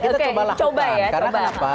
kita coba lakukan karena kenapa